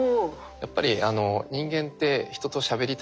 やっぱり人間って人としゃべりたいしつらい